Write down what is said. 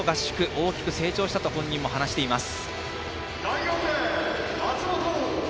大きく成長したと本人も話しています。